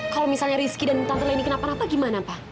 kalau misalnya rizky dan tante lain ini kenapa napa gimana pak